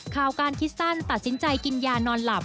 ข่าวการคิดสั้นตัดสินใจกินยานอนหลับ